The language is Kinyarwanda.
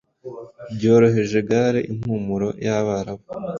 byoroheje gale impumuro yabarabu